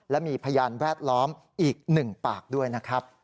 และมีพยานแวดล้อมอีก๑ปากด้วยนะครับ